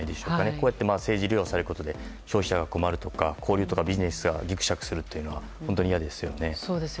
こうやって政治利用されることで消費者が困るとか交流やビジネスがぎくしゃくするのは本当に嫌ですよね。